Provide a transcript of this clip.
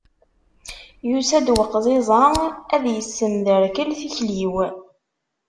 Yusa-d weqẓiẓ-a ad yessemderkel tikli-w.